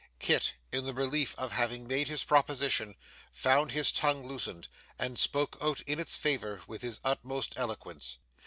Kit, in the relief of having made his proposition, found his tongue loosened, and spoke out in its favour with his utmost eloquence.